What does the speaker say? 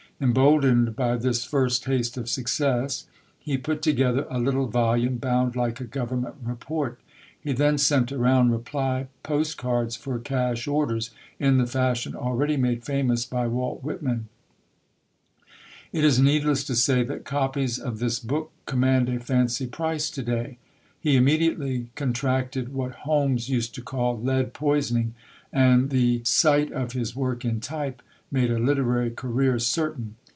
Emboldened by this first taste of success, he put together a little volume bound like a Government report; he then sent around reply post cards for cash orders, in the fashion already made famous by Walt Whitman. It is needless to say that copies of this book command a fancy price to day. He immediately contracted what Holmes used to call "lead poisoning," and the sight of his work in type made a literary career certain.